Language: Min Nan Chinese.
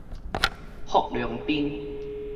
郝龍斌